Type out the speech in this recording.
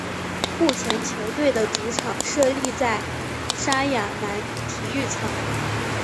目前球队的主场设立在莎亚南体育场。